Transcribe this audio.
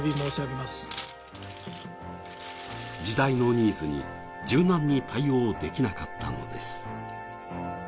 時代のニーズに柔軟に対応できなかったのです。